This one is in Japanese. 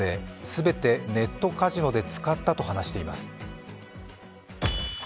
全てネットカジノで使ったと話しています。